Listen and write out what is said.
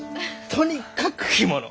とにかく干物！